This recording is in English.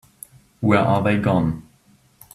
Where are they gone?